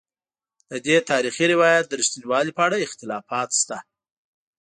ددې تاریخي روایت د رښتینوالي په اړه اختلافات شته.